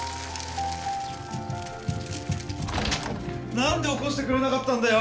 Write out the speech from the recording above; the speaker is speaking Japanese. ・何で起こしてくれなかったんだよ！